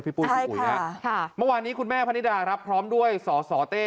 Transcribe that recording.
พี่ปู่สุขุยฮะใช่ค่ะค่ะเมื่อวานนี้คุณแม่พะนิดาครับพร้อมด้วยส่อส่อเต้